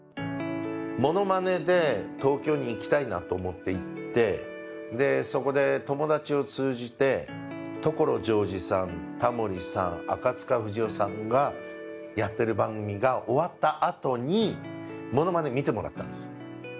モノマネで東京に行きたいなと思って行ってでそこで友達を通じて所ジョージさんタモリさん赤不二夫さんがやってる番組が終わったあとにモノマネを見てもらったんです。